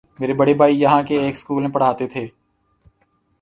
میرے بڑے بھائی یہاں کے ایک سکول میں پڑھاتے تھے۔